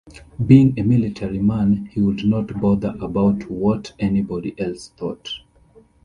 Being a military man, he would not bother about what anybody else thought.